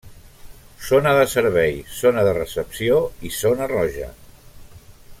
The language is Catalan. Zona de Servei, Zona de Recepció i Zona Roja.